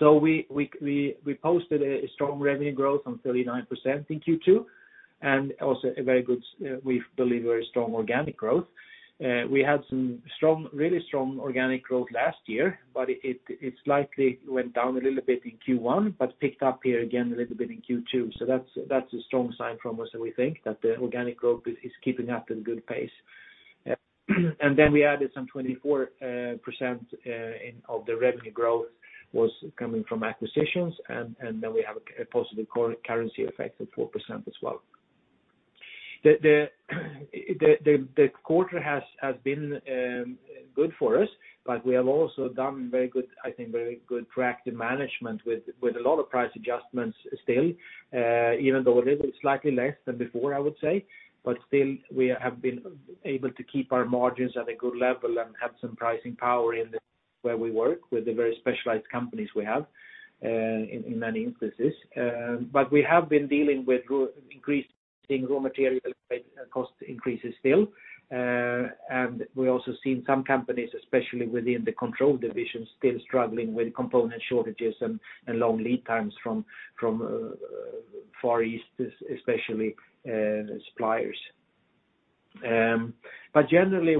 We posted a strong revenue growth of 39% in Q2, and also a very good we believe very strong organic growth. We had some strong, really strong organic growth last year, but it slightly went down a little bit in Q1, but picked up here again a little bit in Q2. That's a strong sign from us that we think that the organic growth is keeping up at a good pace. Then we added some 24% of the revenue growth was coming from acquisitions, and then we have a positive currency effect of 4% as well. The quarter has been good for us, but we have also done very good, I think, very good proactive management with a lot of price adjustments still, even though a little slightly less than before, I would say. Still, we have been able to keep our margins at a good level and have some pricing power in where we work with the very specialized companies we have in many instances. We have been dealing with increased raw material cost increases still. We're also seeing some companies, especially within the Control division, still struggling with component shortages and long lead times from Far East, especially suppliers. Generally,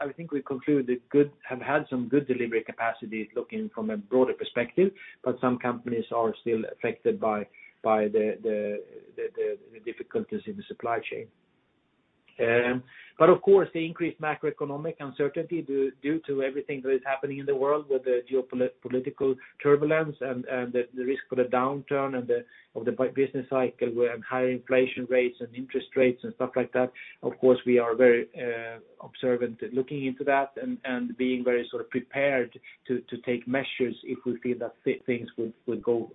I think we conclude that we have had some good delivery capacity looking from a broader perspective, but some companies are still affected by the difficulties in the supply chain. Of course, the increased macroeconomic uncertainty due to everything that is happening in the world with the geopolitical turbulence and the risk of a downturn in the business cycle, where high inflation rates and interest rates and stuff like that. Of course, we are very observant looking into that and being very sort of prepared to take measures if we feel that things would go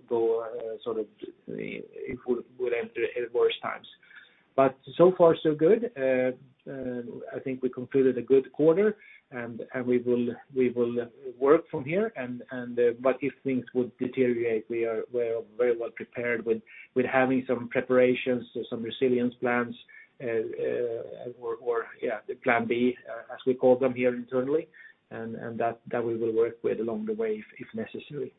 sort of if we would enter worse times. So far so good. I think we concluded a good quarter, and we will work from here. If things would deteriorate, we are very well prepared with having some preparations, some resilience plans the plan B, as we call them here internally, and that we will work with along the way if necessary.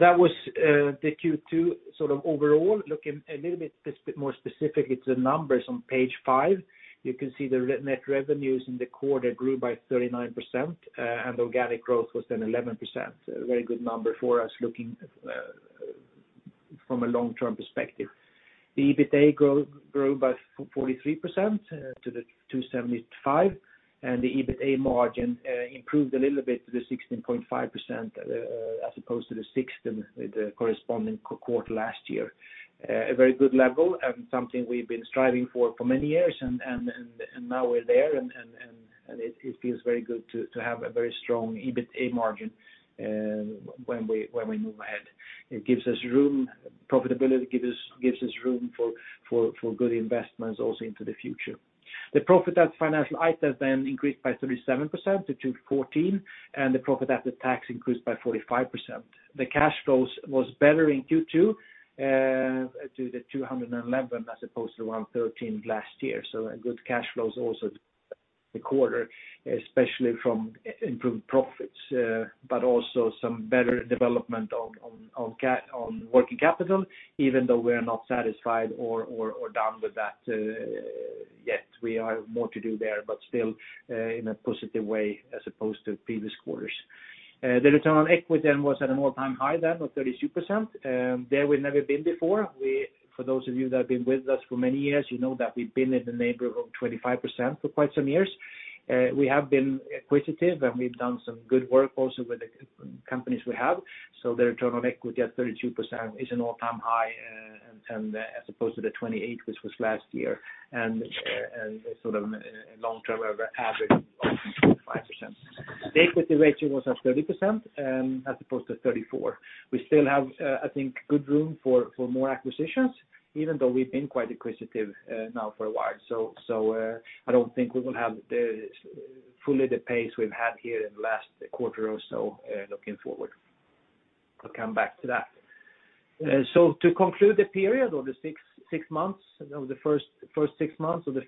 That was the Q2 sort of overall. Looking a little bit more specific, it's the numbers on page five. You can see the net revenues in the quarter grew by 39%, and organic growth was then 11%. A very good number for us looking from a long-term perspective. The EBITA grew by 43% to 275, and the EBITA margin improved a little bit to 16.5%, as opposed to the 16% with the corresponding quarter last year. A very good level and something we've been striving for many years and now we're there and it feels very good to have a very strong EBITA margin when we move ahead. It gives us room, profitability gives us room for good investments also into the future. The profit after financial items then increased by 37% to 214, and the profit after tax increased by 45%. The cash flows was better in Q2 to 211 as opposed to 113 last year. A good cash flows also in the quarter, especially from improved profits but also some better development on working capital, even though we're not satisfied or done with that yet. We have more to do there, but still, in a positive way as opposed to previous quarters. The return on equity was at an all-time high of 32%. There we've never been before. For those of you that have been with us for many years, you know that we've been in the neighborhood of 25% for quite some years. We have been acquisitive, and we've done some good work also with the companies we have. The return on equity at 32% is an all-time high, and as opposed to the 28%, which was last year, and sort of long term, our average of 25%. The equity ratio was at 30%, as opposed to 34%. We still have, I think, good room for more acquisitions, even though we've been quite acquisitive now for a while. So, I don't think we will have fully the pace we've had here in the last quarter or so, looking forward. I'll come back to that. So to conclude the period of the six months, you know, the first six months of the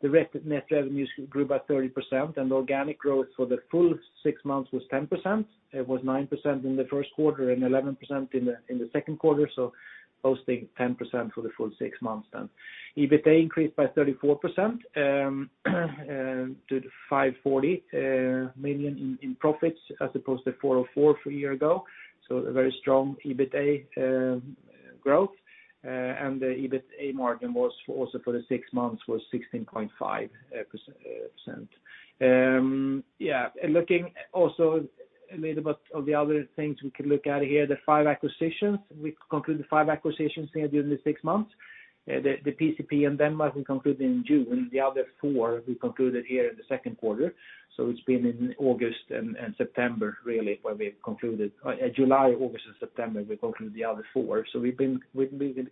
fiscal year, net revenues grew by 30%, and organic growth for the full six months was 10%. It was 9% in the first quarter and 11% in the second quarter, so posting 10% for the full six months then. EBITA increased by 34% to 540 million in profits as opposed to 404 million a year ago, so a very strong EBITA growth. The EBITA margin was also for the six months 16.5%. Yeah, looking also a little bit of the other things we can look at here, the 5 acquisitions. We concluded five acquisitions here during the six months. The PCP in Denmark we concluded in June. The other four we concluded here in the second quarter. It's been in August and September, really, where we've concluded. July, August, and September, we concluded the other four. We've been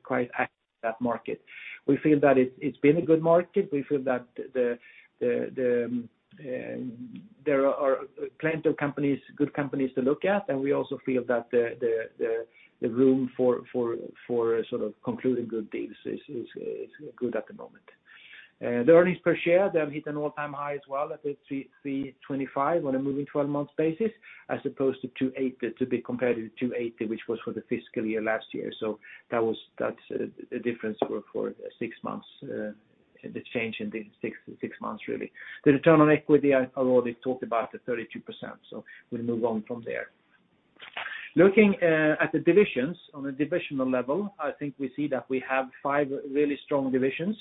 quite active in that market. We feel that it's been a good market. We feel that there are plenty of companies, good companies to look at, and we also feel that the room for sort of concluding good deals is good at the moment. The earnings per share, they have hit an all-time high as well at 3.25 on a moving 12-month basis as opposed to 2.8, to be compared to 2.8, which was for the fiscal year last year. That's a difference for six months, the change in the six months really. The return on equity I already talked about the 32%, so we'll move on from there. Looking at the divisions on a divisional level, I think we see that we have five really strong divisions.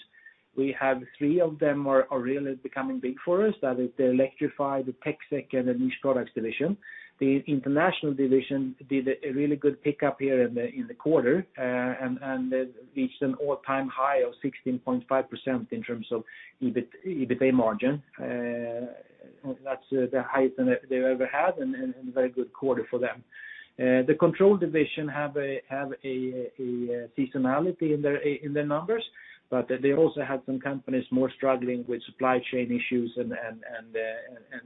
We have three of them are really becoming big for us, that is the Electrify, the TecSec, and the Niche Products division. The International division did a really good pickup here in the quarter, and it reached an all-time high of 16.5% in terms of EBIT, EBITA margin. That's the highest they've ever had and very good quarter for them. The Control division have a seasonality in their numbers, but they also have some companies more struggling with supply chain issues and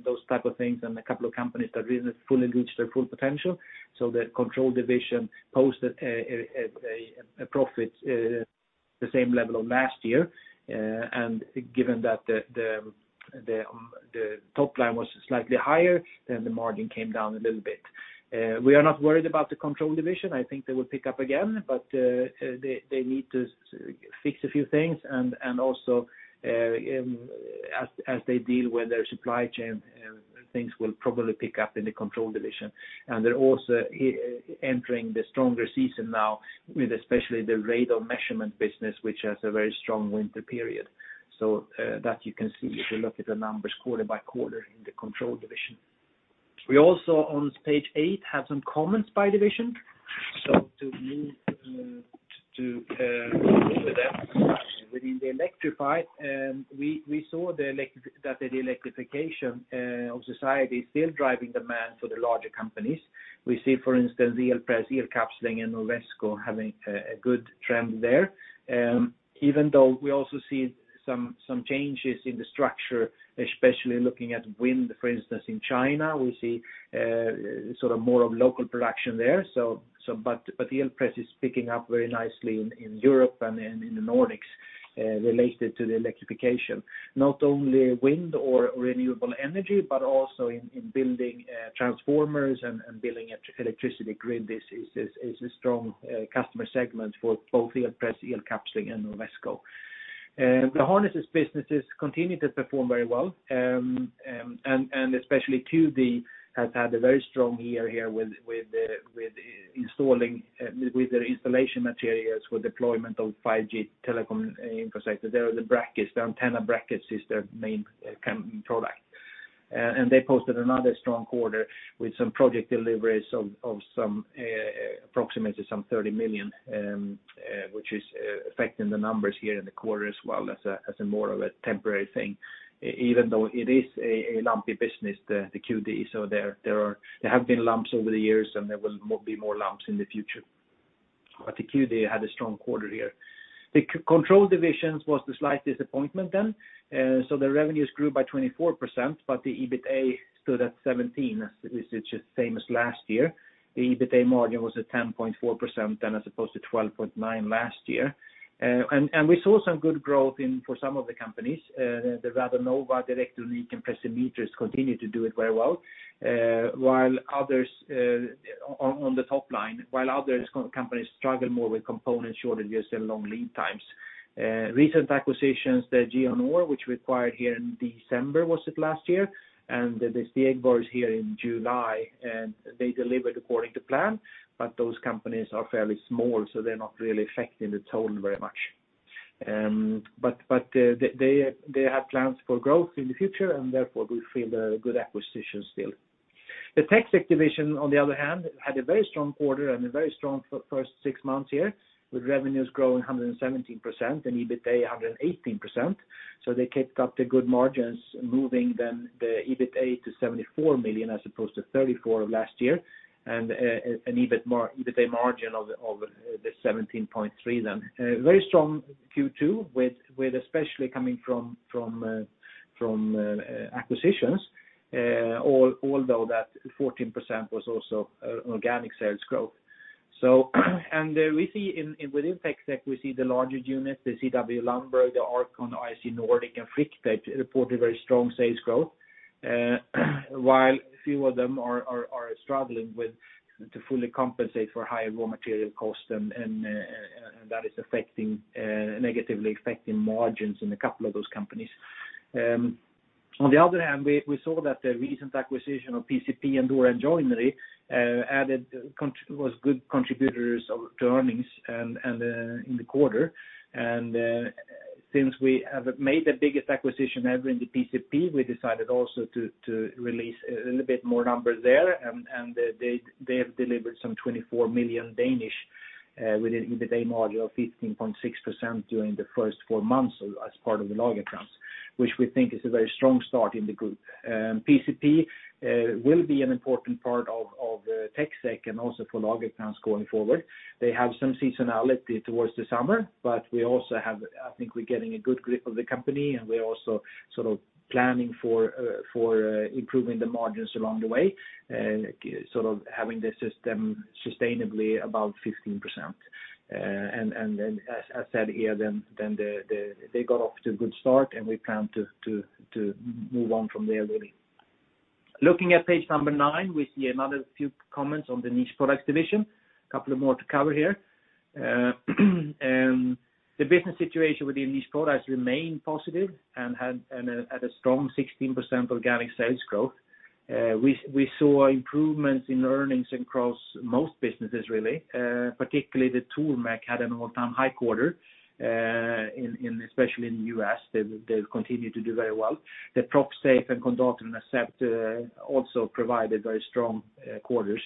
those type of things, and a couple of companies that really fully reached their full potential. The Control division posted a profit, the same level of last year. Given that the top line was slightly higher, then the margin came down a little bit. We are not worried about the Control division. I think they will pick up again, but they need to fix a few things and also, as they deal with their supply chain, things will probably pick up in the Control division. They're also entering the stronger season now with especially the radar measurement business, which has a very strong winter period. That you can see if you look at the numbers quarter by quarter in the Control division. We also on page eight have some comments by division. To move to them. Within the Electrify, we saw that the electrification of society is still driving demand for the larger companies. We see, for instance, Elpress, Elkapsling, and Norwesco having a good trend there. Even though we also see some changes in the structure, especially looking at wind, for instance, in China, we see sort of more of local production there. But Elpress is picking up very nicely in Europe and in the Nordics, related to the electrification. Not only wind or renewable energy, but also in building transformers and building electricity grid. This is a strong customer segment for both Elpress, Elkapsling, and Norwesco. The harnesses businesses continue to perform very well. Especially Cue Dee has had a very strong year here with their installation materials for deployment of 5G telecom infrastructure. They are the brackets, the antenna brackets is their main product. They posted another strong quarter with some project deliveries of approximately 30 million, which is affecting the numbers here in the quarter as well as more of a temporary thing, even though it is a lumpy business, the Cue Dee. There have been lumps over the years, and there will be more lumps in the future. The Cue Dee had a strong quarter here. The Control division was the slight disappointment then. The revenues grew by 24%, but the EBITA stood at 17, which is just the same as last year. The EBITA margin was at 10.4% then as opposed to 12.9% last year. And we saw some good growth for some of the companies. The Radonova, Direktronik, and Precimeter continue to do it very well, while others on the top line, while other companies struggle more with component shortages and long lead times. Recent acquisitions, the Geonor, which we acquired in December last year, and the Stegborgs in July, and they delivered according to plan, but those companies are fairly small, so they're not really affecting the total very much. They have plans for growth in the future, and therefore we feel they're good acquisitions still. The TecSec division, on the other hand, had a very strong quarter and a very strong first six months here, with revenues growing 117% and EBITA 118%. They kept up the good margins, moving the EBITA to 74 million as opposed to 34 million of last year, and an EBITA margin of 17.3%. Very strong Q2 with especially coming from acquisitions, although that 14% was also organic sales growth. We see within TecSec the larger units, the CW Lundberg, the Arcon, IC Nordic, and Frictape that reported very strong sales growth, while a few of them are struggling to fully compensate for higher raw material costs and that is negatively affecting margins in a couple of those companies. On the other hand, we saw that the recent acquisition of PCP and Door & Joinery Solutions Limited was good contributors to earnings in the quarter. Since we have made the biggest acquisition ever in the PCP, we decided also to release a little bit more numbers there. They have delivered 24 million with an EBITA margin of 15.6% during the first four months as part of the Lagercrantz, which we think is a very strong start in the group. PCP will be an important part of TecSec and also for Lagercrantz going forward. They have some seasonality towards the summer, but we also have, I think we're getting a good grip of the company, and we're also sort of planning for improving the margins along the way, sort of having the system sustainably above 15%. They got off to a good start and we plan to move on from there really. Looking at page number nine, we see another few comments on the Niche Products division. A couple of more to cover here. The business situation within these products remain positive and had a strong 16% organic sales growth. We saw improvements in earnings across most businesses really, particularly the Tormek had an all-time high quarter, especially in the US. They've continued to do very well. The Profsafe and Kondator, Asept also provided very strong quarters.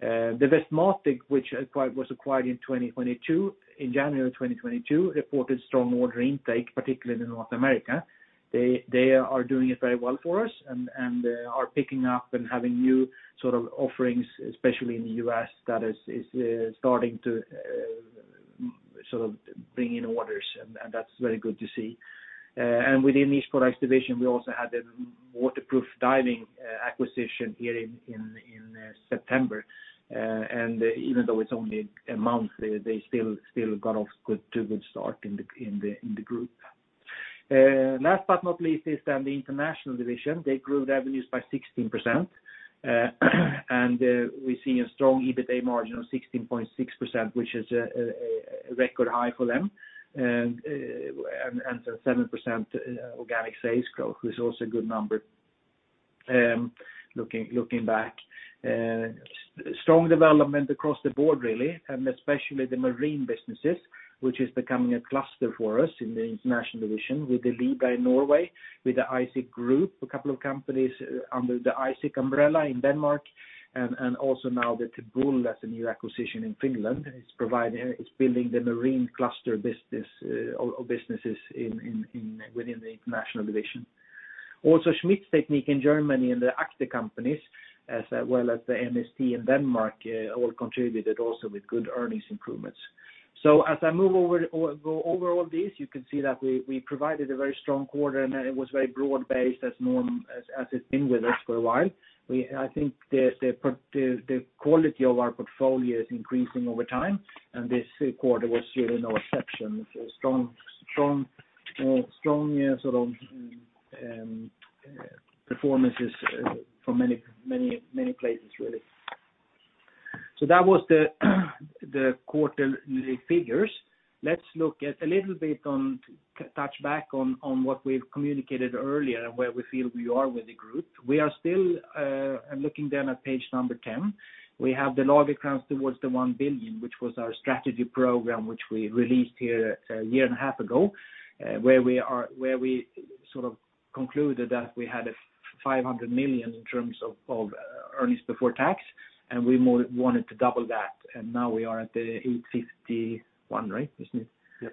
The Westmatic, which was acquired in 2022, in January of 2022, reported strong order intake, particularly in North America. They are doing it very well for us and are picking up and having new sort of offerings, especially in the US that is starting to sort of bring in orders, and that's very good to see. Within Niche Products division, we also had the Waterproof Diving acquisition here in September. Even though it's only a month, they still got off to a good start in the group. Last but not least, is then the international division. They grew revenues by 16%. We see a strong EBITA margin of 16.6%, which is a record high for them. Seven percent organic sales growth is also a good number, looking back. Strong development across the board, really, and especially the marine businesses, which is becoming a cluster for us in the international division with the Libra-Plast in Norway, with the ISIC Group, a couple of companies under the ISIC umbrella in Denmark, and also now the Tebul as a new acquisition in Finland. It's providing, it's building the marine cluster business, or businesses within the international division. Also, Schmitz Technik in Germany and the Acta companies, as well as the NST DK in Denmark, all contributed also with good earnings improvements. As I go over all of this, you can see that we provided a very strong quarter, and it was very broad-based as it's been with us for a while. I think the quality of our portfolio is increasing over time, and this quarter was really no exception. Strong performances from many places, really. That was the quarterly figures. Let's look at a little bit touch back on what we've communicated earlier and where we feel we are with the group. We are still looking then at page number 10. We have the Lagercrantz towards one billion, which was our strategy program, which we released here a year and a half ago, where we sort of concluded that we had 500 million in terms of earnings before tax, and we wanted to double that. Now we are at 851 million, right, isn't it? Yes.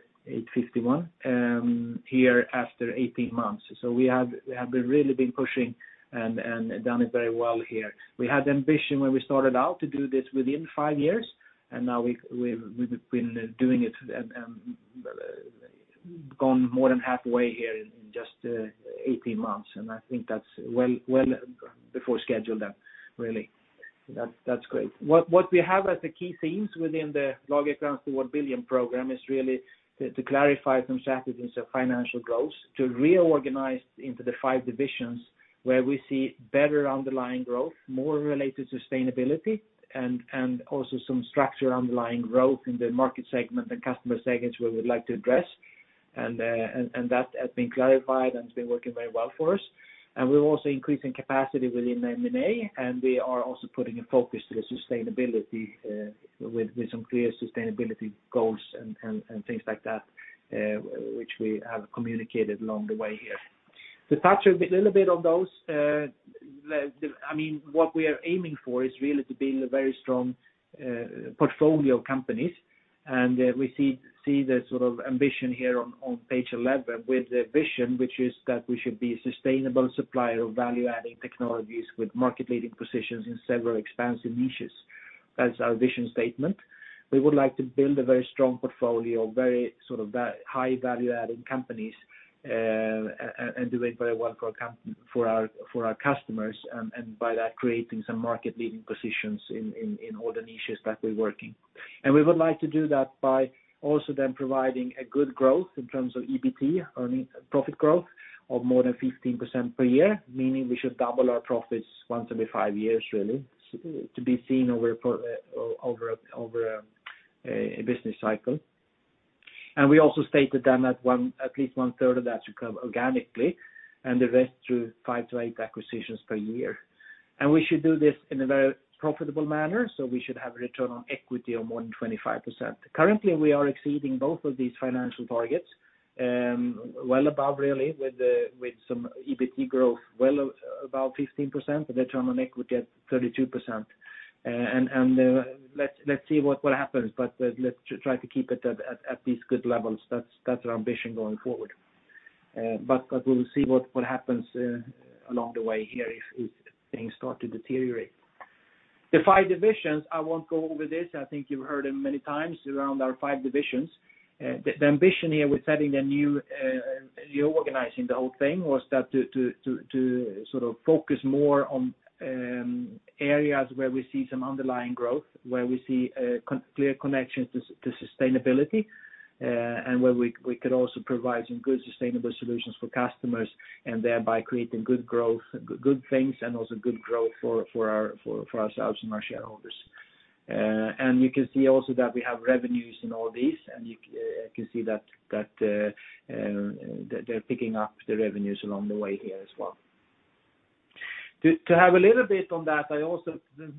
851 here after 18 months. We have really been pushing and done it very well here. We had the ambition when we started out to do this within five years, and now we've been doing it and gone more than halfway here in just 18 months. I think that's well before schedule then, really. That's great. What we have as the key themes within the Lagercrantz towards one billion program is really to clarify some strategies of financial growth, to reorganize into the divisions where we see better underlying growth, more sustainable and also some structure underlying growth in the market segment and customer segments we would like to address. That has been clarified and it's been working very well for us. We're also increasing capacity within M&A, and we are also putting a focus to the sustainability, with some clear sustainability goals and things like that, which we have communicated along the way here. To touch a bit, little bit on those, the, I mean, what we are aiming for is really to build a very strong portfolio of companies. We see the sort of ambition here on page 11 with the vision, which is that we should be a sustainable supplier of value-adding technologies with market-leading positions in several expansive niches. That's our vision statement. We would like to build a very strong portfolio, very sort of high value-adding companies, and do it very well for our customers, and by that, creating some market-leading positions in all the niches that we're working. We would like to do that by also then providing a good growth in terms of EBT, earning profit growth of more than 15% per year, meaning we should double our profits once every five years, really, to be seen over a business cycle. We also stated then that at least one-third of that should come organically, and the rest through five to eight acquisitions per year. We should do this in a very profitable manner, so we should have return on equity of more than 25%. Currently, we are exceeding both of these financial targets, well above really with some EBT growth well above 15%, the return on equity at 32%. Let's see what happens, but let's try to keep it at these good levels. That's our ambition going forward. We'll see what happens along the way here if things start to deteriorate. The five divisions, I won't go over this. I think you've heard it many times around our five divisions. The ambition here with having a new reorganizing the whole thing was to sort of focus more on areas where we see some underlying growth, where we see a clear connection to sustainability, and where we could also provide some good sustainable solutions for customers and thereby creating good growth, good things, and also good growth for ourselves and our shareholders. You can see also that we have revenues in all these, and you can see that they're picking up the revenues along the way here as well. To have a little bit on that, I also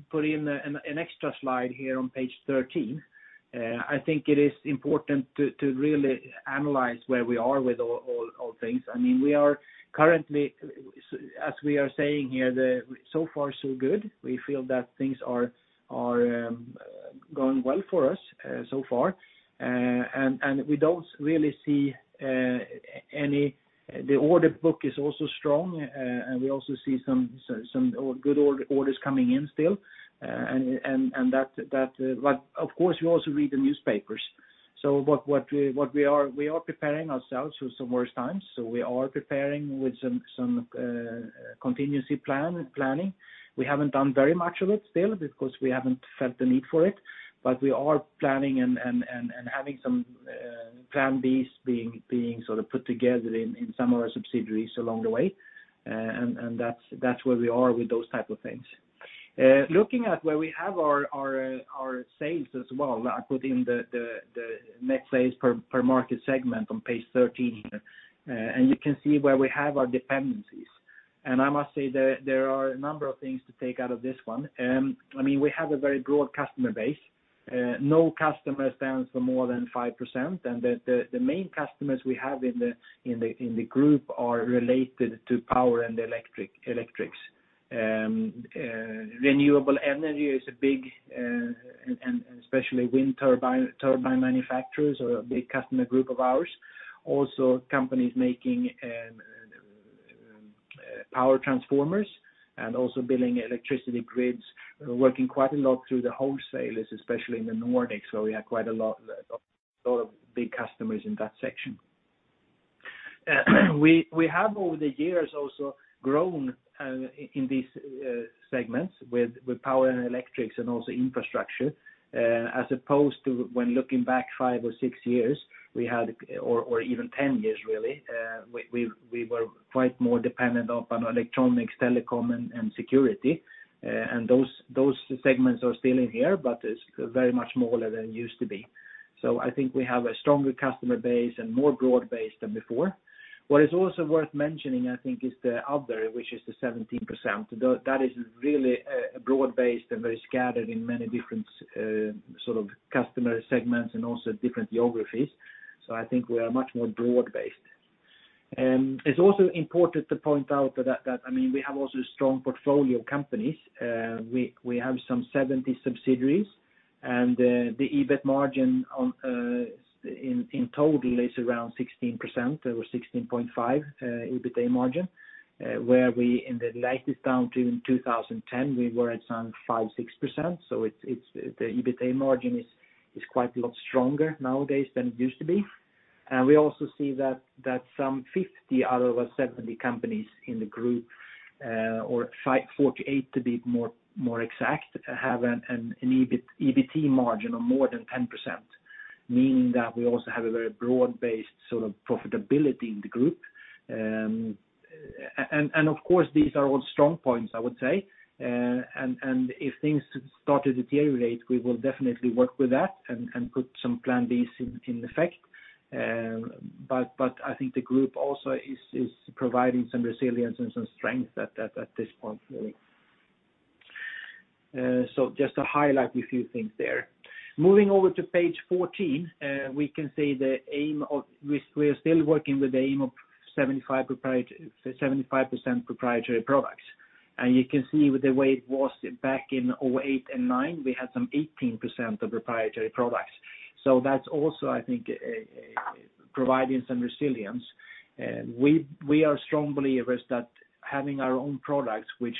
put in an extra slide here on page 13. I think it is important to really analyze where we are with all things. I mean, we are currently, as we are saying here, so far, so good. We feel that things are going well for us so far. We don't really see any. The order book is also strong, and we also see some good orders coming in still. That, but of course, we also read the newspapers. We are preparing ourselves for some worse times. We are preparing with some contingency planning. We haven't done very much of it still because we haven't felt the need for it. We are planning and having some plan Bs being sort of put together in some of our subsidiaries along the way. That's where we are with those type of things. Looking at where we have our sales as well, I put in the net sales per market segment on page 13 here. You can see where we have our dependencies. I must say there are a number of things to take out of this one. I mean, we have a very broad customer base. No customer stands for more than 5%. The main customers we have in the group are related to power and electrics. Renewable energy is a big and especially wind turbine manufacturers are a big customer group of ours. Companies making power transformers and also building electricity grids, working quite a lot through the wholesalers, especially in the Nordics. We have quite a lot of big customers in that section. We have over the years also grown in these segments with power and electrics and also infrastructure, as opposed to when looking back five or six years, we had or even 10 years really, we were quite more dependent upon electronics, telecom, and security. Those segments are still in here, but it's very much smaller than it used to be. I think we have a stronger customer base and more broad base than before. What is also worth mentioning, I think, is the other, which is the 17%. That is really broad-based and very scattered in many different sort of customer segments and also different geographies. I think we are much more broad-based. It's also important to point out that I mean we have also a strong portfolio of companies. We have some 70 subsidiaries, and the EBIT margin in total is around 16% or 16.5% EBITA margin. Where we in the latest downturn in 2010, we were at some 5-6%. The EBITA margin is quite a lot stronger nowadays than it used to be. We also see that some 50 out of our 70 companies in the group, or 48 to be more exact, have an EBIT margin of more than 10%, meaning that we also have a very broad-based sort of profitability in the group. Of course, these are all strong points, I would say. If things start to deteriorate, we will definitely work with that and put som eplan B in effect. I think the group also is providing some resilience and some strength at this point, really. Just to highlight a few things there. Moving over to page 14, we are still working with the aim of 75% proprietary products. You can see the way it was back in 2008 and 2009; we had some 18% of proprietary products. That's also, I think, providing some resilience. We are strong believers that having our own products, which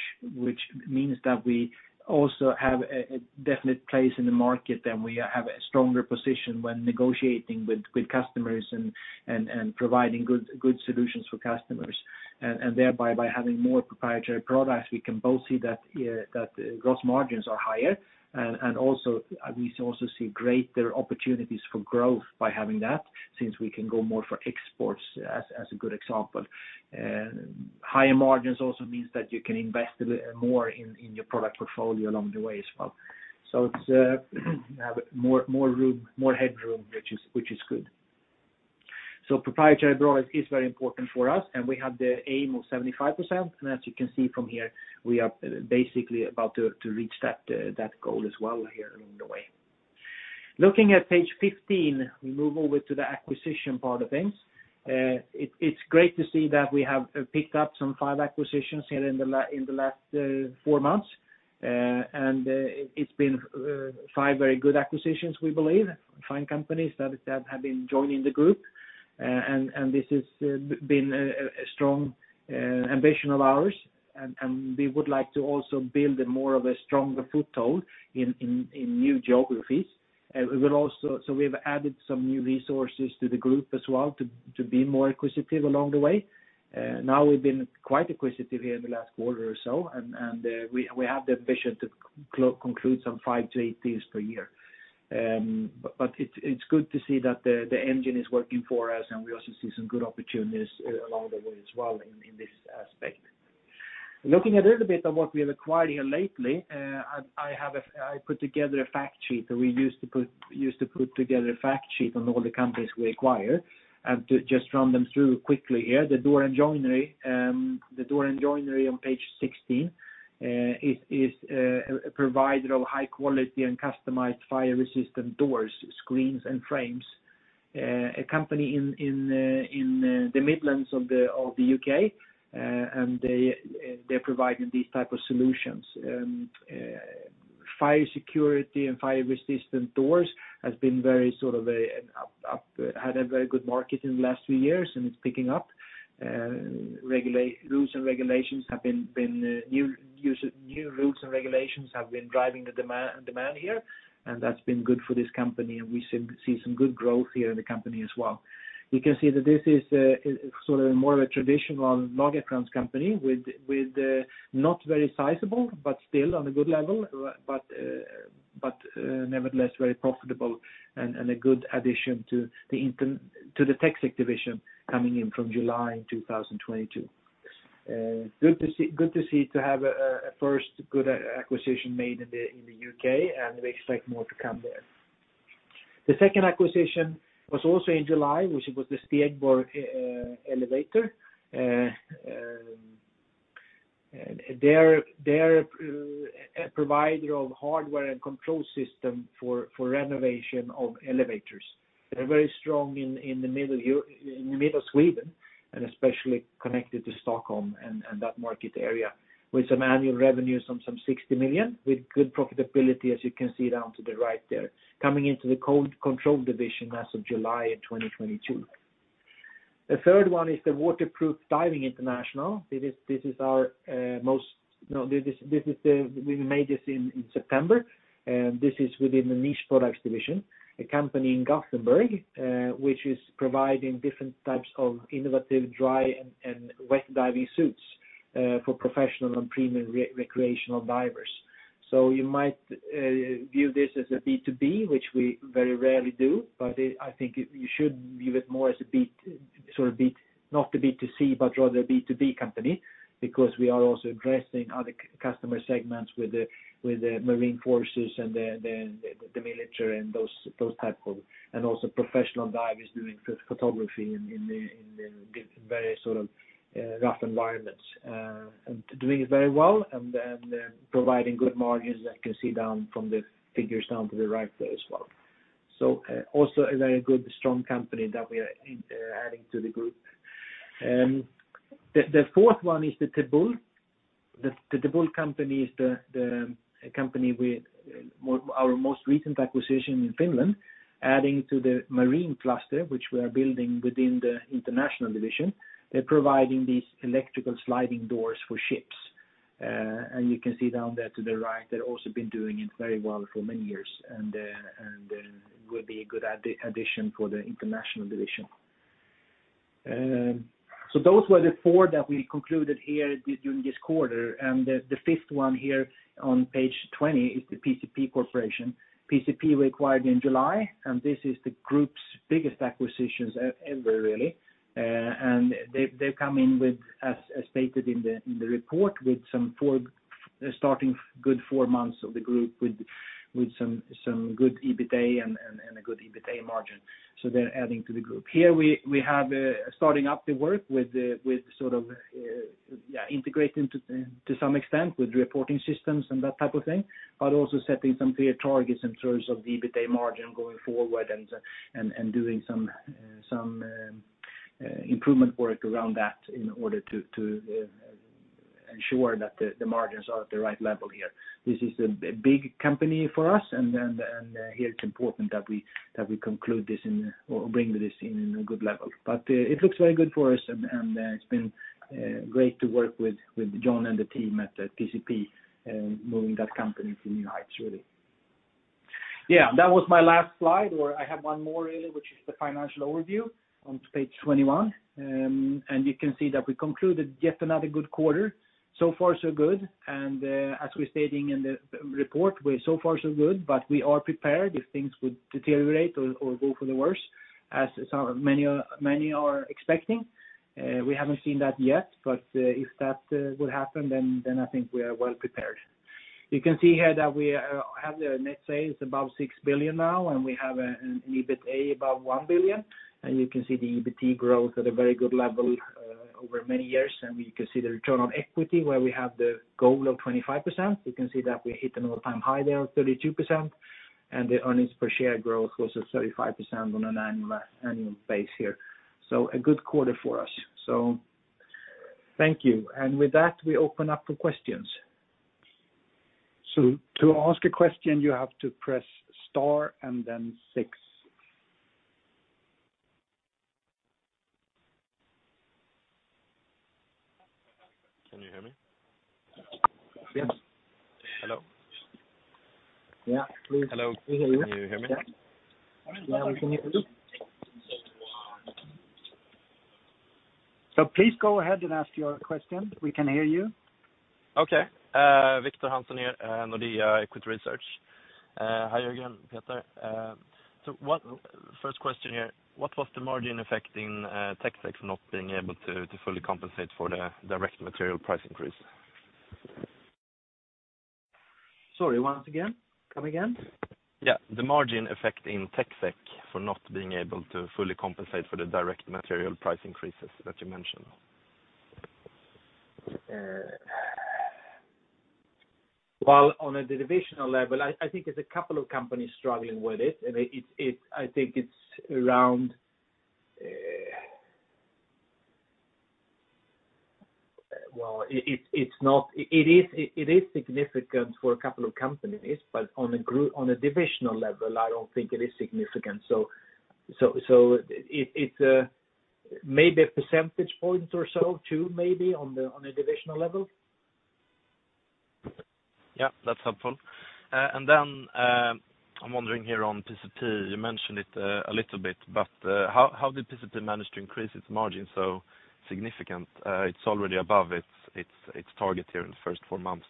means that we also have a definite place in the market, and we have a stronger position when negotiating with customers and providing good solutions for customers. Thereby, by having more proprietary products, we can both see that gross margins are higher and also, we see greater opportunities for growth by having that since we can go more for exports as a good example. Higher margins also means that you can invest more in your product portfolio along the way as well. It's more room, more headroom, which is good. Proprietary products is very important for us, and we have the aim of 75%. As you can see from here, we are basically about to reach that goal as well here along the way. Looking at page 15, we move over to the acquisition part of things. It's great to see that we have picked up some five acquisitions here in the last four months. It's been five very good acquisitions, we believe, fine companies that have been joining the group. This has been a strong ambition of ours. We would like to also build a more of a stronger foothold in new geographies. We will also. We've added some new resources to the group as well to be more acquisitive along the way. Now we've been quite acquisitive here in the last quarter or so, and we have the ambition to conclude some five to eight deals per year. It's good to see that the engine is working for us, and we also see some good opportunities along the way as well in this aspect. Looking a little bit on what we have acquired here lately, I put together a fact sheet that we use to put together a fact sheet on all the companies we acquire, and to just run them through quickly here. The Door and Joinery on page sixteen is a provider of high quality and customized fire-resistant doors, screens, and frames. A company in the Midlands of the U.K., they're providing these types of solutions. Fire security and fire-resistant doors had a very good market in the last few years, and it's picking up. New rules and regulations have been driving the demand here, and that's been good for this company, and we see some good growth here in the company as well. You can see that this is sort of more of a traditional low-tech company with not very sizable, but still on a good level, but nevertheless very profitable and a good addition to the tech division coming in from July in 2022. Good to see to have a first good acquisition made in the UK, and we expect more to come there. The second acquisition was also in July, which was the Stegborgs Elevator. They're a provider of hardware and control system for renovation of elevators. They're very strong in the middle of Sweden, and especially connected to Stockholm and that market area, with some annual revenues from 60 million, with good profitability as you can see down to the right there. Coming into the control division as of July 2022. The third one is the Waterproof Diving International AB. This is our most. No, this is the one we made in September. This is within the Niche Products division. A company in Gothenburg, which is providing different types of innovative dry and wet diving suits, for professional and premium recreational divers. You might view this as a B2B, which we very rarely do, but I think you should view it more as a B. Sort of B, not a B2C, but rather a B2B company, because we are also addressing other customer segments with the marine forces and the military and those type of. Also, professional divers doing photography in the very sort of rough environments and doing it very well and providing good margins as you can see down from the figures down to the right there as well. Also, a very good strong company that we are adding to the group. The fourth one is the Tebul. The Tebul company is the company with our most recent acquisition in Finland, adding to the marine cluster, which we are building within the international division. They're providing these electrical sliding doors for ships. You can see down there to the right, they've also been doing it very well for many years and will be a good addition for the international division. Those were the four that we concluded here during this quarter. The fifth one here on page 20 is the PcP Corporation A/S. PcP we acquired in July, and this is the group's biggest acquisition ever really. They've come in with, as stated in the report, some good four months of the group with some good EBITA and a good EBITA margin. They're adding to the group. Here we have starting up the work with sort of integrating to some extent with reporting systems and that type of thing but also setting some clear targets in terms of the EBITA margin going forward and doing some improvement work around that in order to ensure that the margins are at the right level here. This is a big company for us and here it's important that we conclude this in or bring this in in a good level. It looks very good for us, and it's been great to work with John and the team at PCP, moving that company to new heights, really. Yeah, that was my last slide. I have one more really, which is the financial overview on page 21. You can see that we concluded yet another good quarter. So far so good, and as we're stating in the report, we're so far so good, but we are prepared if things would deteriorate or go for the worse, as many are expecting. We haven't seen that yet, but if that would happen, then I think we are well prepared. You can see here that we have the net sales above 6 billion now, and we have an EBITA above 1 billion. You can see the EBIT growth at a very good level over many years. We can see the return on equity, where we have the goal of 25%. You can see that we hit an all-time high there of 32%. The earnings per share growth was at 35% on an annual basis here. A good quarter for us. Thank you. With that, we open up for questions. To ask a question, you have to press star and then six. Can you hear me? Yes. Hello? Yeah. Hello. Can you hear me? Yeah, we can hear you. Please go ahead and ask your question. We can hear you. Okay. Viktor Gancarz here, Nordea, Equity Research. Hi again, Jörgen. First question here, what was the margin effect in TecSec not being able to fully compensate for the direct material price increase? Sorry, once again. Come again. Yeah. The margin effect in TecSec for not being able to fully compensate for the direct material price increases that you mentioned. Well, on a divisional level, I think there's a couple of companies struggling with it, and I think its around and it's significant for a couple of companies, but on a divisional level, I don't think it is significant. It's maybe a percentage point or so, two maybe on a divisional level. Yeah, that's helpful. And then I'm wondering here on PCP, you mentioned it a little bit, but how did PCP manage to increase its margin so significant? It's already above its target here in the first four months.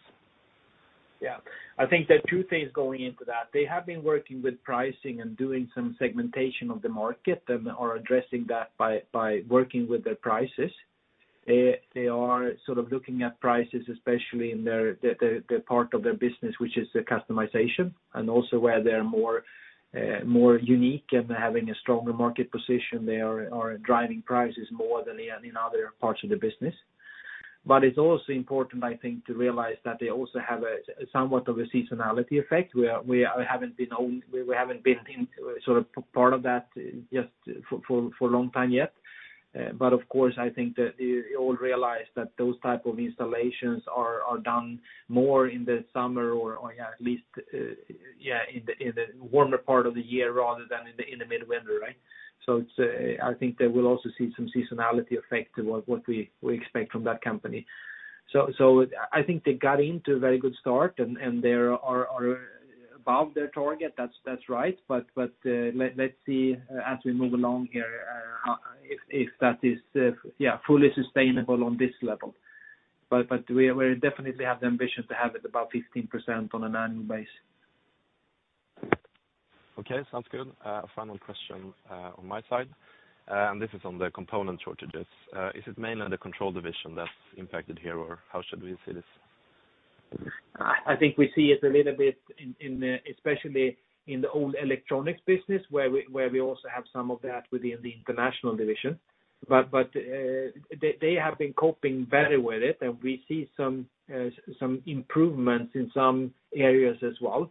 Yeah. I think there are two things going into that. They have been working with pricing and doing some segmentation of the market and are addressing that by working with their prices. They are sort of looking at prices, especially in the part of their business, which is the customization and also where they're more unique and having a stronger market position. They are driving prices more than in other parts of the business. It's also important, I think, to realize that they also have somewhat of a seasonality effect where we haven't been in sort of part of that just for a long time yet. Of course, I think that you all realize that those types of installations are done more in the summer or at least in the warmer part of the year rather than in the midwinter, right? I think they will also see some seasonality effect to what we expect from that company. I think they got into a very good start, and they are above their target. That's right. Let's see as we move along here if that is fully sustainable on this level. We definitely have the ambition to have it about 15% on an annual basis. Okay, sounds good. Final question on my side, this is on the component shortages. Is it mainly the Control Division that's impacted here, or how should we see this? I think we see it a little bit in especially in the old electronics business, where we also have some of that within the international division. They have been coping better with it, and we see some improvements in some areas as well.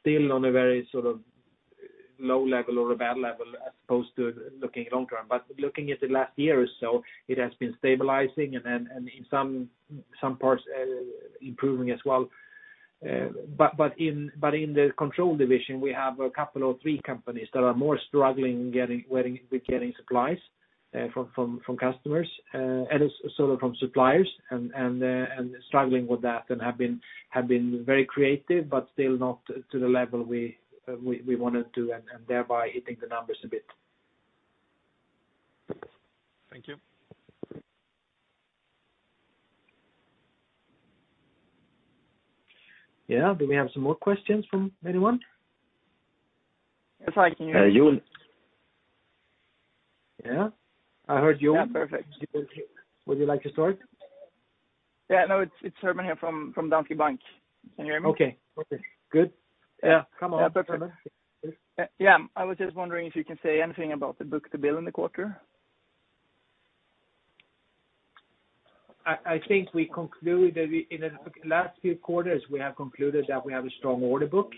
Still on a very sort of low level or a bad level as opposed to looking long term. Looking at the last year or so, it has been stabilizing and then in some parts improving as well.In the control division, we have a couple or three companies that are more struggling with getting supplies from customers and sort of from suppliers, and struggling with that and have been very creative, but still not to the level we wanted to and thereby hitting the numbers a bit. Thank you. Yeah. Do we have some more questions from anyone? Yes, I can hear you. You. Yeah, I heard you. Yeah, perfect. Would you like to start? Yeah. No, it's Herman here from Danske Bank. Can you hear me? Okay, good. Yeah. Come on, Herman. Yeah, perfect. Yeah. I was just wondering if you can say anything about the book-to-bill in the quarter? I think we concluded In the last few quarters, we have concluded that we have a strong order book.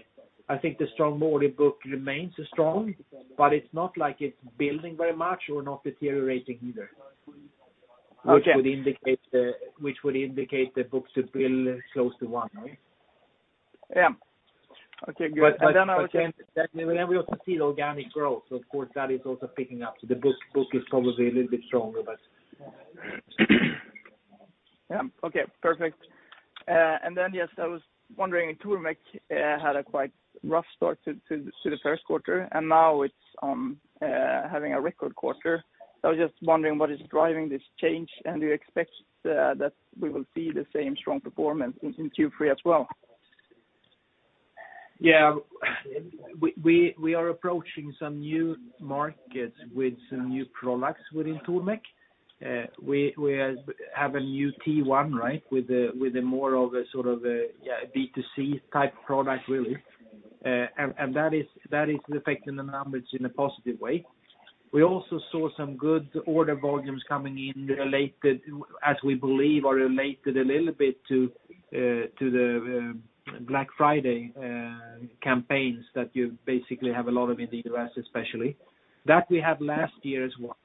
I think the strong order book remains strong, but it's not like it's building very much or not deteriorating either. Okay. Which would indicate the book-to-bill close to one, right? Yeah. Okay, good. Then again, when we also see organic growth, of course, that is also picking up. The book-to-bill is probably a little bit stronger. Yeah. Okay, perfect. Yes, I was wondering, Tormek had a quite rough start to the first quarter, and now it's having a record quarter. I was just wondering what is driving this change, and do you expect that we will see the same strong performance in Q3 as well? We are approaching some new markets with some new products within Tormek. We have a new T1, right, with a more of a B2C type product, really. And that is affecting the numbers in a positive way. We also saw some good order volumes coming in related, as we believe, to the Black Friday campaigns that you basically have a lot of in the US especially. That we had last year as well.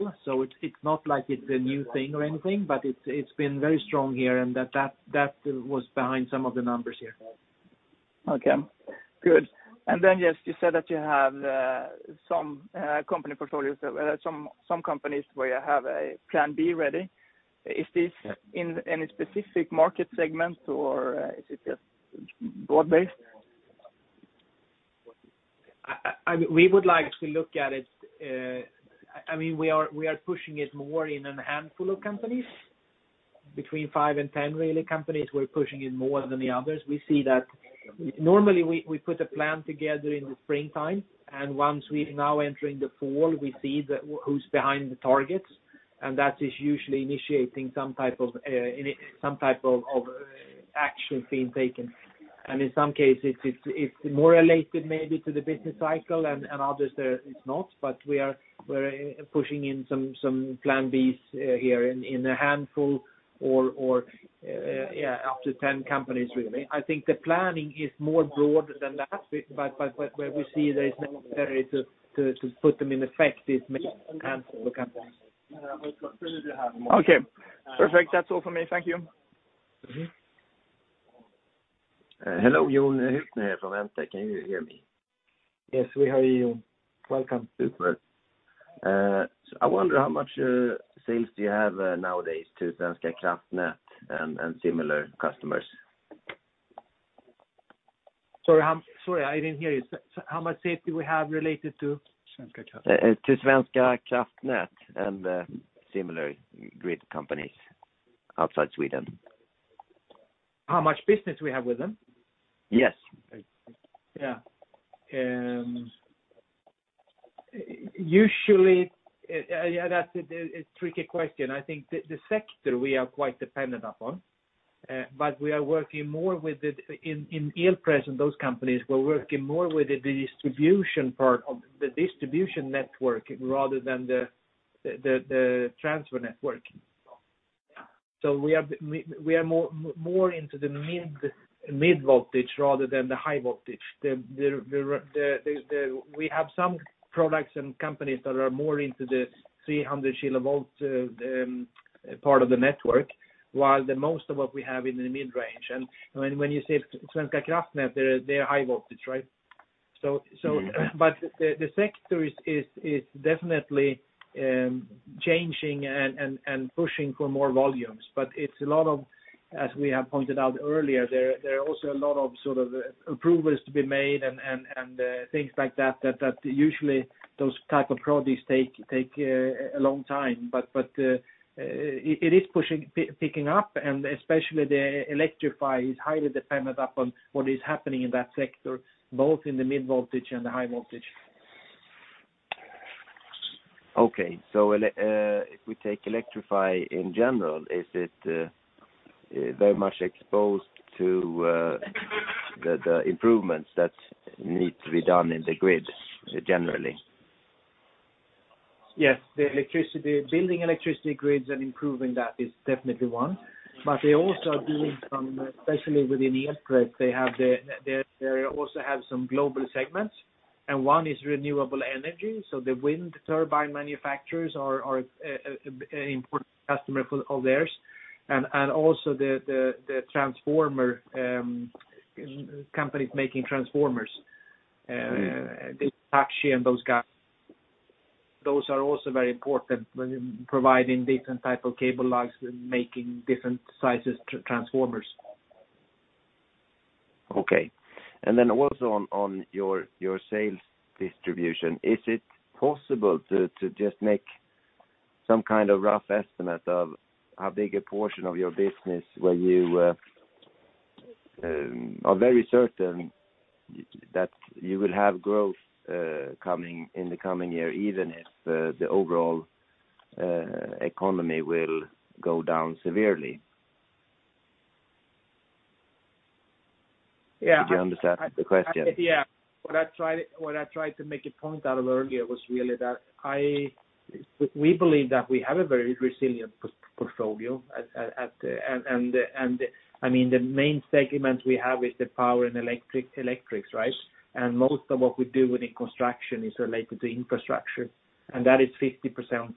It's not like it's a new thing or anything, but it's been very strong here, and that was behind some of the numbers here. Okay, good. Yes, you said that you have some company portfolios, some companies where you have a plan B ready. Is this in any specific market segment or is it just broad-based? We would like to look at it, I mean, we are pushing it more in a handful of companies between five and 10 really companies we're pushing in more than the others. We see that normally we put a plan together in the springtime, and once we now entering the fall, we see that who's behind the targets, and that is usually initiating some type of action being taken. In some cases, it's more related maybe to the business cycle and others it's not. We're pushing in some plan B's here in a handful or yeah, up to 10 companies really. I think the planning is more broader than that, but where we see there is necessary to put them in effect is maybe a handful of companies. Okay, perfect. That's all for me. Thank you. Mm-hmm. Hello, Johan Wennborg from Entech. Can you hear me? Yes, we hear you. Welcome. Super. I wonder how much sales do you have nowadays to Svenska Kraftnät and similar customers? Sorry, I didn't hear you. How much sales do we have related to? To Svenska Kraftnät and similar grid companies outside Sweden. How much business we have with them? Yes. Yeah, usually, yeah, that's a tricky question. I think the sector we are quite dependent upon, but we are working more with it in Elpress and those companies, we're working more with the distribution part of the distribution network rather than the transfer network. We are more into the mid voltage rather than the high voltage. We have some products and companies that are more into the 300-kilovolt part of the network, while the most of what we have in the mid-range. When you say Svenska Kraftnät, they're high voltage, right? But the sector is definitely changing and pushing for more volumes. It's a lot of, as we have pointed out earlier, there are also a lot of sort of approvals to be made and things like that that usually those type of projects take a long time. It is picking up, and especially the Electrify is highly dependent upon what is happening in that sector, both in the mid-voltage and the high-voltage. If we take Electrify in general, is it very much exposed to the improvements that need to be done in the grid generally? Yes. The electricity, building electricity grids and improving that is definitely one. They also are doing some, especially within Elpress, they also have some global segments, and one is renewable energy. The wind turbine manufacturers are important customer of theirs. Also the transformer companies making transformers, Hitachi and those guys. Those are also very important when providing different type of cable lugs and making different sizes transformers. Okay. Also on your sales distribution, is it possible to just make some kind of rough estimate of how big a portion of your business where you are very certain that you will have growth coming in the coming year, even if the overall economy will go down severely? Yeah. Did you understand the question? Yeah. What I tried to make a point out of earlier was really that we believe that we have a very resilient portfolio, I mean, the main segment we have is the power and electrics, right? Most of what we do within construction is related to infrastructure, and that is 50%.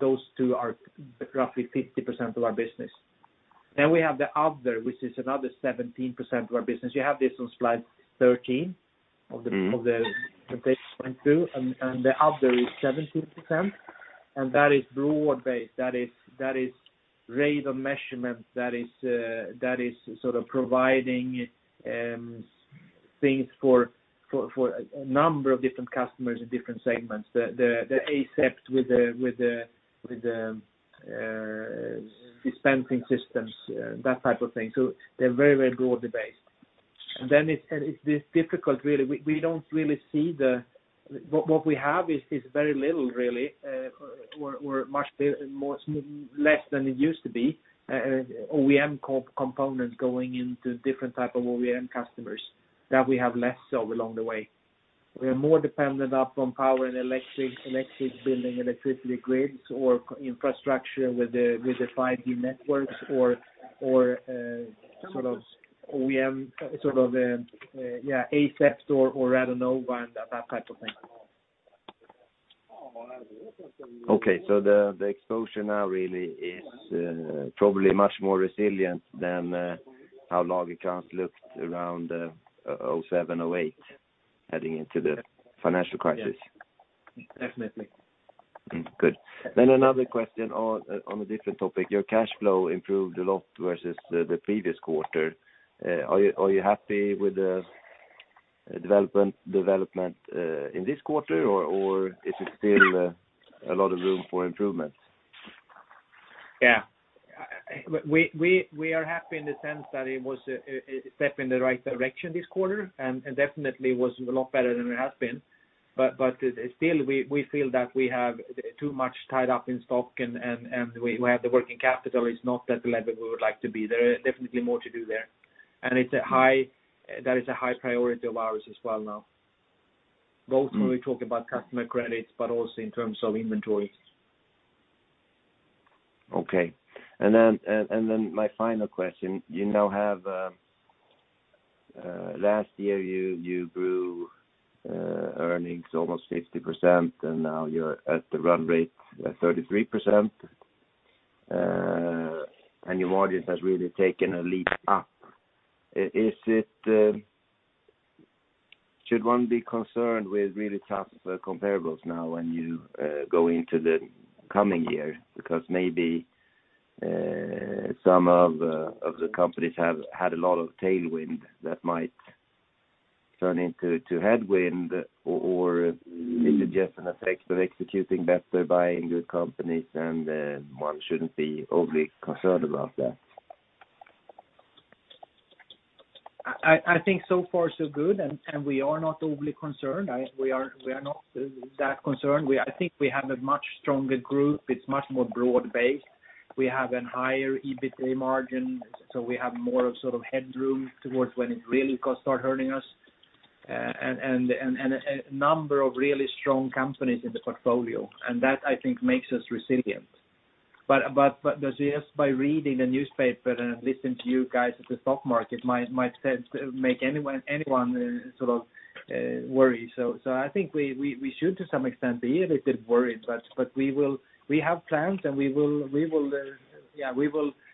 Those two are roughly 50% of our business. We have the other, which is another 17% of our business. You have this on slide 13 of the- Mm-hmm. Of the 0.2, the other is 17%, and that is broad-based. That is rate of measurement. That is sort of providing things for a number of different customers in different segments. The Asept with the dispensing systems, that type of thing. So they're very broadly based. It's this difficult really. We don't really see. What we have is very little really or much less than it used to be, OEM components going into different type of OEM customers that we have less of along the way. We are more dependent upon power and electric building, electricity grids or infrastructure with the 5G networks or sort of OEM, sort of yeah, Asept or Radonova and that type of thing. Okey the exposure now really is probably much more resilient than how Lagercrantz looked around 2007, 2008, heading into the financial crisis. Yes. Definitely. Good. Another question on a different topic. Your cash flow improved a lot versus the previous quarter. Are you happy with the development in this quarter or is it still a lot of room for improvement? Yeah. We are happy in the sense that it was a step in the right direction this quarter, and definitely was a lot better than it has been. Still we feel that we have too much tied up in stock and the working capital is not at the level we would like to be. There are definitely more to do there. That is a high priority of ours as well now. Both when we talk about customer credits, but also in terms of inventory. My final question. Last year, you grew earnings almost 50%, and now you're at the run rate 33%. Your margin has really taken a leap up. Should one be concerned with really tough comparables now when you go into the coming year? Because maybe some of the companies have had a lot of tailwind that might turn into headwind or is it just an effect of executing better by good companies and one shouldn't be overly concerned about that. I think so far so good, and we are not overly concerned. We are not that concerned. I think we have a much stronger group. It's much more broad-based. We have a higher EBITA margin, so we have more of sort of headroom towards when it really could start hurting us. A number of really strong companies in the portfolio. That, I think, makes us resilient. Just by reading the newspaper and listening to you guys at the stock market might tend to make anyone sort of worry. I think we should to some extent be a little bit worried, but we will. We have plans, and we will,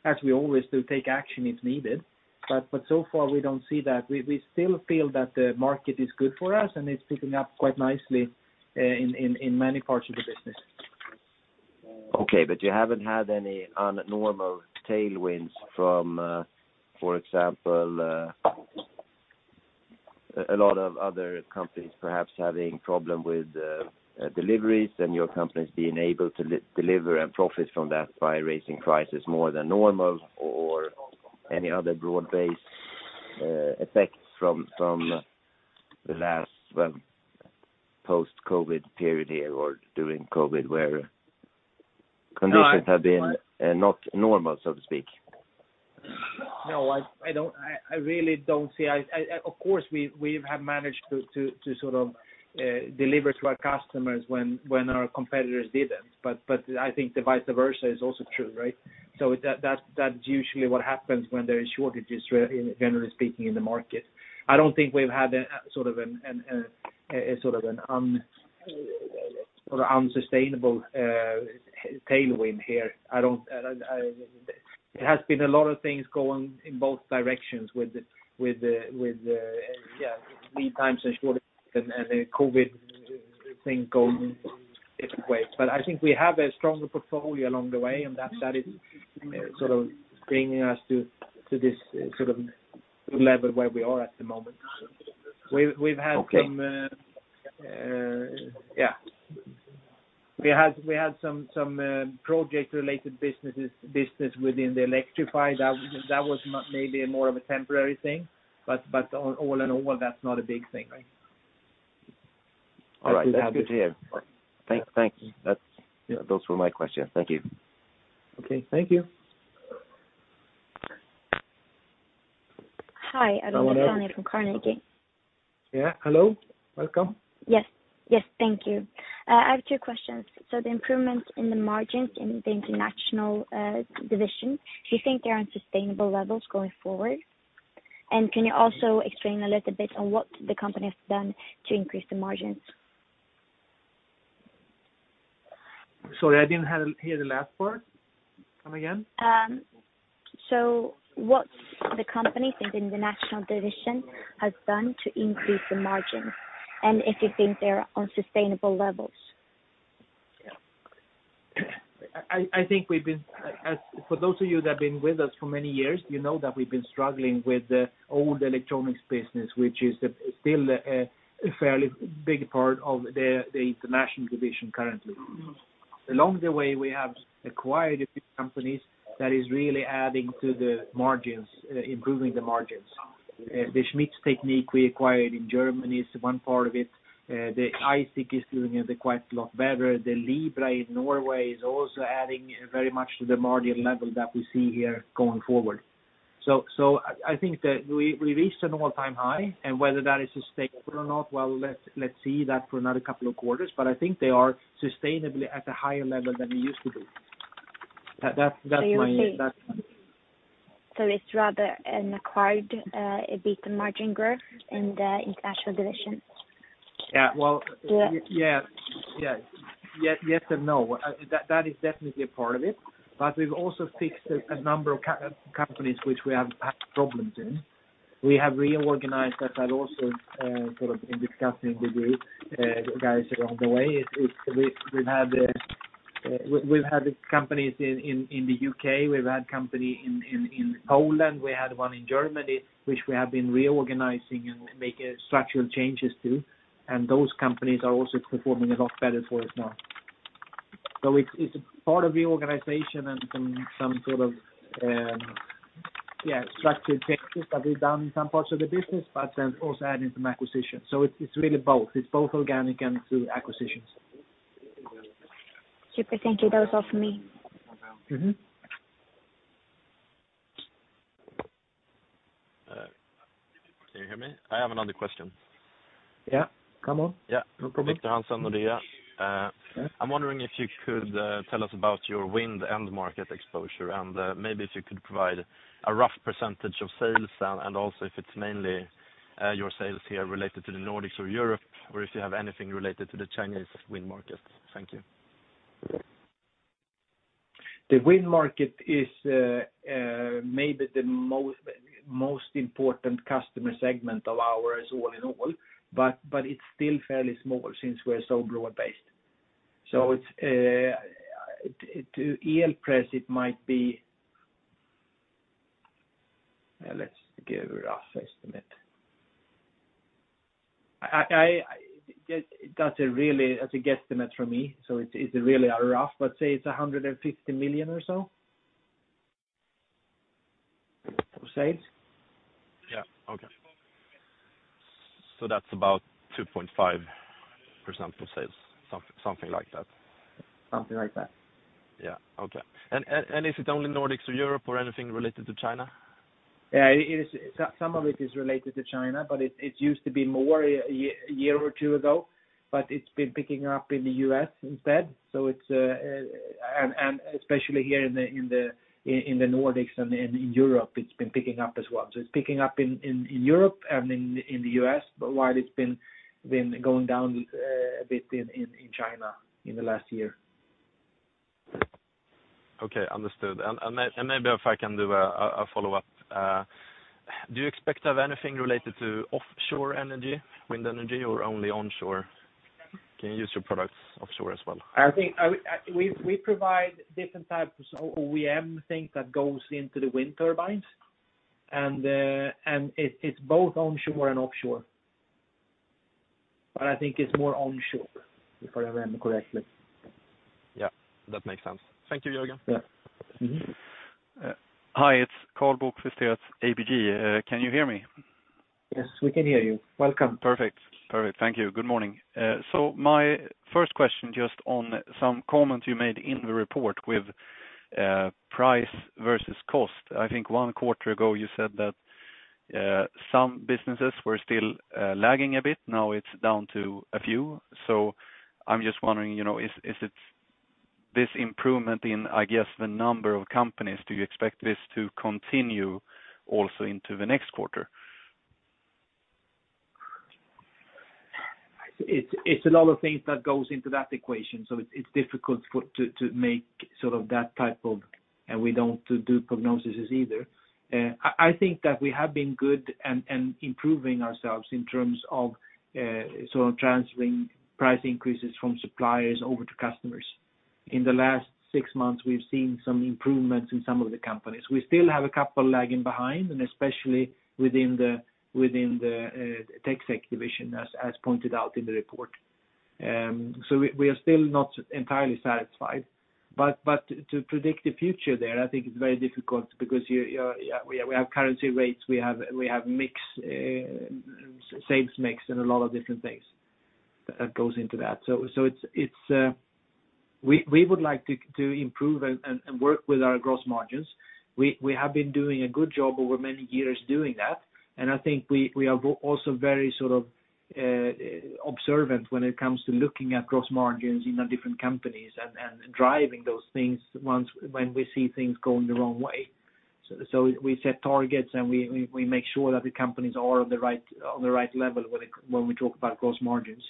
as we always do, take action if needed. So far, we don't see that. We still feel that the market is good for us, and it's picking up quite nicely in many parts of the business. Okay, you haven't had any abnormal tailwinds from, for example, a lot of other companies perhaps having problem with deliveries and your companies being able to deliver and profit from that by raising prices more than normal or any other broad-based effects from the last, well, post-COVID period here or during COVID where conditions have been not normal, so to speak. No, I really don't see. Of course, we have managed to sort of deliver to our customers when our competitors didn't. I think the vice versa is also true, right? That's usually what happens when there are shortages, generally speaking, in the market. I don't think we've had a sort of unsustainable tailwind here. It has been a lot of things going in both directions with the lead times and shortages and the COVID thing going different ways. I think we have a stronger portfolio along the way, and that is sort of bringing us to this sort of level where we are at the moment. We've had some. We had some project-related businesses within the Electrify. That was maybe more of a temporary thing. All in all, that's not a big thing. All right. That's good to hear. Thank you. Those were my questions. Thank you. Okay. Thank you. Hi. Adela Dashian from Handelsbanken. Yeah. Hello. Welcome. Yes. Thank you. I have two questions. The improvements in the margins in the International division, do you think they're on sustainable levels going forward? Can you also explain a little bit on what the company has done to increase the margins? Sorry, I didn't hear the last part. Come again. What the company think the International division has done to increase the margins, and if you think they're on sustainable levels? I think we've been struggling with the old electronics business, which is still a fairly big part of the international division currently. Along the way, we have acquired a few companies that is really adding to the margins, improving the margins. The Schmitz Technik we acquired in Germany is one part of it. The ISIC is doing it quite a lot better. The Libra-Plast in Norway is also adding very much to the margin level that we see here going forward. I think that we reached an all-time high, and whether that is sustainable or not, well, let's see that for another couple of quarters. I think they are sustainably at a higher level than we used to be. That's my- You're saying it's rather an acquired EBITDA margin growth in the International division? Yeah. Well, Yeah. Yes, yes and no. That is definitely a part of it. But we've also fixed a number of acquired companies which we have had problems in. We have reorganized. That had also sort of been discussing with you guys along the way. It's we've had companies in the UK. We've had a company in Poland. We had one in Germany, which we have been reorganizing and making structural changes to, and those companies are also performing a lot better for us now. So it's part of the organization and some sort of structural changes that we've done in some parts of the business, but then also adding some acquisitions. So it's really both. It's both organic and through acquisitions. Super. Thank you. That was all for me. Mm-hmm. Can you hear me? I have another question. Yeah. Come on. Yeah. No problem. Viktor Gancarz, Nordea. Yeah. I'm wondering if you could tell us about your wind energy market exposure, and maybe if you could provide a rough percentage of sales and also if it's mainly your sales here related to the Nordics or Europe, or if you have anything related to the Chinese wind market. Thank you. The wind market is maybe the most important customer segment of ours all in all, but it's still fairly small since we're so broad-based. It's Elpress, it might be. Let's give a rough estimate. That's a guesstimate from me, it's really a rough, but say it's 150 million or so of sales. Yeah. Okay. That's about 2.5% of sales, something like that. Something like that. Yeah. Okay. Is it only Nordics or Europe or anything related to China? Yeah, it is. Some of it is related to China, but it used to be more a year or two ago, but it's been picking up in the US instead. Especially here in the Nordics and in Europe, it's been picking up as well. It's picking up in Europe and in the US, but while it's been going down a bit in China in the last year. Okay. Understood. Maybe if I can do a follow-up, do you expect to have anything related to offshore energy, wind energy, or only onshore? Can you use your products offshore as well? I think we provide different types of OEM things that goes into the wind turbines and it's both onshore and offshore. But I think it's more onshore, if I remember correctly. Yeah. That makes sense. Thank you, Jörgen. Yeah. Mm-hmm. Hi. It's Karl Bokvist here at ABG. Can you hear me? Yes, we can hear you. Welcome. Perfect. Thank you. Good morning. My first question just on some comments you made in the report with price versus cost. I think one quarter ago you said that some businesses were still lagging a bit. Now it's down to a few. I'm just wondering, you know, is it this improvement in, I guess, the number of companies? Do you expect this to continue also into the next quarter? It's a lot of things that goes into that equation, so it's difficult to make sort of that type of, and we don't do prognoses either. I think that we have been good and improving ourselves in terms of sort of transferring price increases from suppliers over to customers. In the last six months, we've seen some improvements in some of the companies. We still have a couple lagging behind, and especially within the TecSec division as pointed out in the report. So, we are still not entirely satisfied, but to predict the future there, I think it's very difficult because we have currency rates, we have sales mix and a lot of different things that goes into that. So, it's we would like to improve and work with our gross margins. We have been doing a good job over many years doing that, and I think we are also very sort of observant when it comes to looking at gross margins in our different companies and driving those things when we see things going the wrong way. We set targets and we make sure that the companies are on the right level when we talk about gross margins.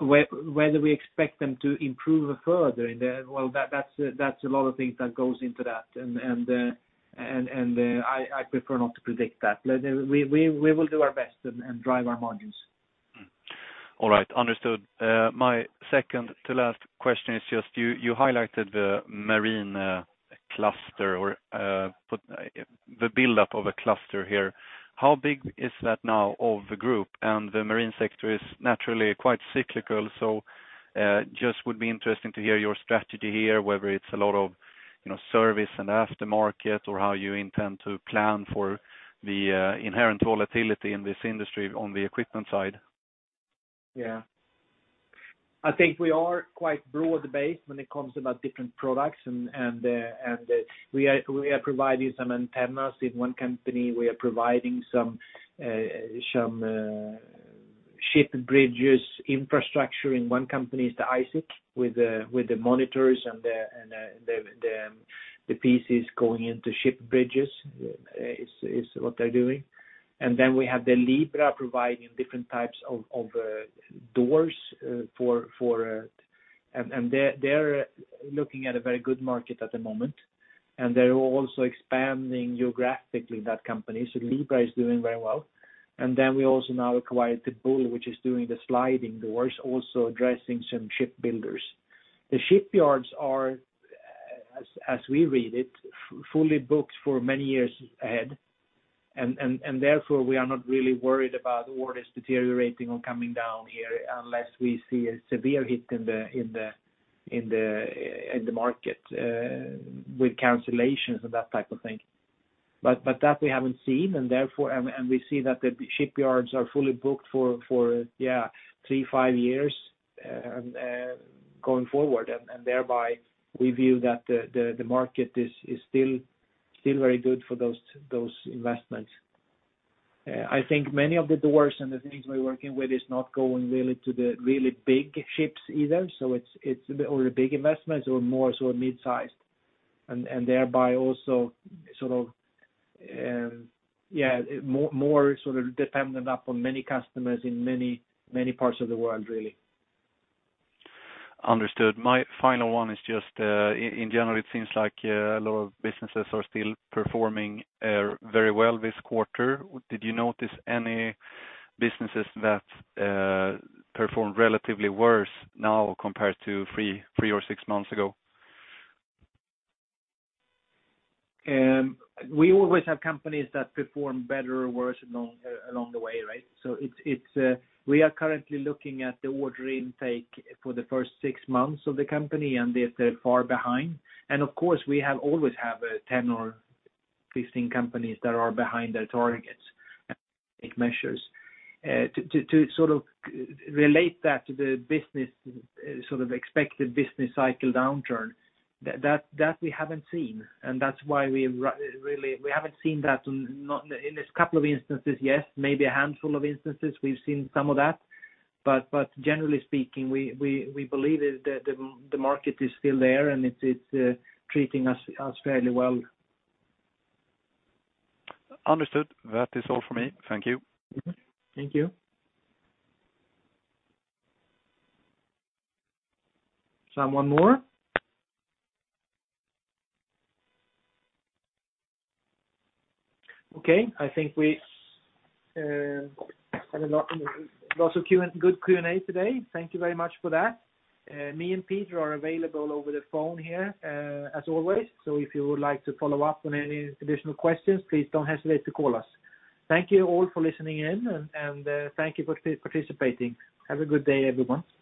Whether we expect them to improve further. Well, that's a lot of things that goes into that and I prefer not to predict that. We will do our best and drive our margins. All right. Understood. My second to last question is just you highlighted the marine cluster or put the buildup of a cluster here. How big is that now of the group? And the marine sector is naturally quite cyclical, so just would be interesting to hear your strategy here, whether it's a lot of, you know, service and aftermarket or how you intend to plan for the inherent volatility in this industry on the equipment side. Yeah. I think we are quite broad-based when it comes about different products and we are providing some antennas in one company. We are providing some ship bridge infrastructure in one company. The ISIC with the monitors and the pieces going into ship bridges is what they're doing. Then we have the Libra providing different types of doors for and they're looking at a very good market at the moment, and they're also expanding geographically, that company. Libra is doing very well. Then we also now acquired the Tebul, which is doing the sliding doors, also addressing some ship builders. The shipyards are, as we read it, fully booked for many years ahead. Therefore, we are not really worried about orders deteriorating or coming down here unless we see a severe hit in the market with cancellations and that type of thing. That we haven't seen, and therefore we see that the shipyards are fully booked for three to five years going forward. Thereby we view that the market is still very good for those investments. I think many of the doors and the things we're working with is not going really to the really big ships either. It's either big investments or more sort of mid-sized. Thereby also sort of more sort of dependent upon many customers in many parts of the world really. Understood. My final one is just, in general, it seems like a lot of businesses are still performing very well this quarter. Did you notice any businesses that performed relatively worse now compared to three or six months ago? We always have companies that perform better or worse along the way, right? We are currently looking at the order intake for the first six months of the company, and they're far behind. Of course, we always have 10 or 15 companies that are behind their target's measures. To sort of relate that to the business sort of expected business cycle downturn that we haven't seen, and that's why we really. We haven't seen that. In this couple of instances, yes, maybe a handful of instances, we've seen some of that. Generally speaking, we believe that the market is still there, and it's treating us fairly well. Understood. That is all for me. Thank you. Thank you. Someone more? Okay. I think we had a lot of good Q&A today. Thank you very much for that. Me and Peter are available over the phone here, as always. If you would like to follow up on any additional questions, please don't hesitate to call us. Thank you all for listening in and thank you for participating. Have a good day, everyone.